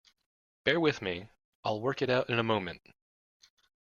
Bear with me; I'll work it out in a moment.